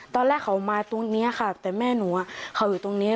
ตอนแรกเขามาตรงนี้ค่ะแต่แม่หนูเขาอยู่ตรงนี้